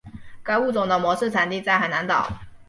该物种的模式产地在海南岛。